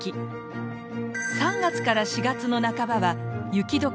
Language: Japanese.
３月から４月の半ばは「雪解けが輝く季節」。